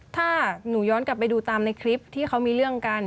ถ้าหนูย้อนกลับไปดูตามในคลิปที่เขามีเรื่องกัน